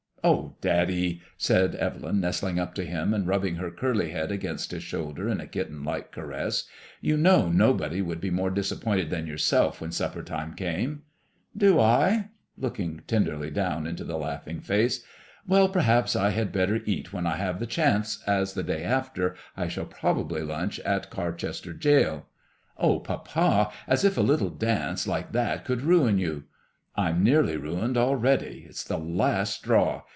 "Oh, daddy!" said Evelyn, nestling up to him, and rubbing her curly head against his shoulder in a kitten like caress. " You know nobody would be more disappointed than yourself when supper time came." "Do I ?" looking tenderly down into the laughing face. " Well, perhaps I had better eat when I have the chance, as the day after I shall probably lunch in Carchester gaoL" " Oh, papa I as if a little dance like that could ruin you." 'Tm nearly ruined already. It's the last straw.